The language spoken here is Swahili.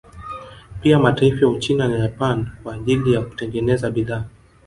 Pia mataifa ya Uchina na Japan kwa ajili ya kutengeneza bidhaa